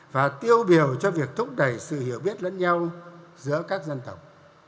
và tiêu biểu cho việc thúc đẩy sự hiểu biết lẫn nhau giữa các dân tộc